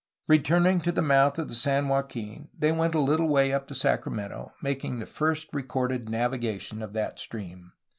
Returning to the mouth of the San Joaquin, they went a Uttle way up the Sacramento, making the first recorded navigation of that stream.